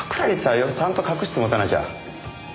ちゃんと隠して持たなきゃ。